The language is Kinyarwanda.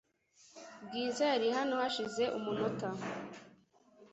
Bwiza yari hano hashize umunota .